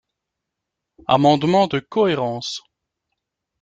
Amendement de cohérence.